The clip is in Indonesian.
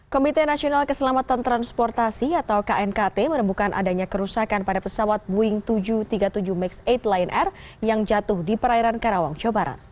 komite nasional keselamatan transportasi atau knkt menemukan adanya kerusakan pada pesawat boeing tujuh ratus tiga puluh tujuh max delapan lion air yang jatuh di perairan karawang jawa barat